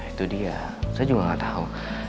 itu dia saya juga nggak tahu